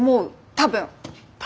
多分！？